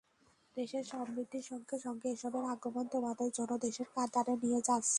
দেশের সমৃদ্ধির সঙ্গে সঙ্গে এসবের আগমন আমাদের অন্য দেশের কাতারে নিয়ে যাচ্ছে।